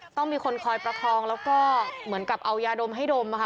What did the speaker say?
ต้องมีคนคอยประคองแล้วก็เหมือนกับเอายาดมให้ดมค่ะ